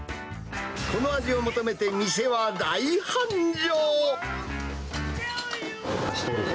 この味を求めて店は大繁盛。